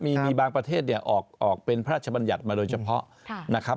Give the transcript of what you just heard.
มีบางประเทศออกเป็นพระราชบัญญัติมาโดยเฉพาะ